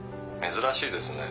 珍しいですね。